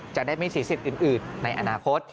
จะได้ไม่เสียสิทธิ์อื่นในอนาคต